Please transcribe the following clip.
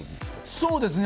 そうですね。